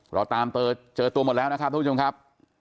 เราตามเจอตัวหมดแล้วนะครับทุกผู้ชมครับ